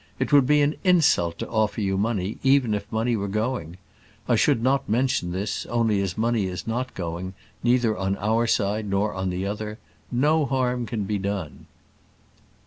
It would be an insult to offer you money, even if money were going. I should not mention this, only as money is not going, neither on our side nor on the other, no harm can be done."